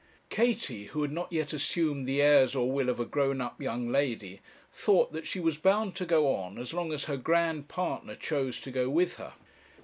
Katie, who had not yet assumed the airs or will of a grown up young lady, thought that she was bound to go on as long as her grand partner chose to go with her.